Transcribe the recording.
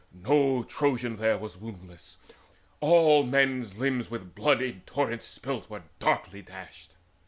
No Trojan there was woundless, all men's limbs With blood in torrents spilt were darkly dashed.